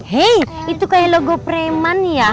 hei itu kayak logo preman ya